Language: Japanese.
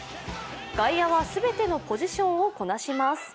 外野は全てのポジションをこなします。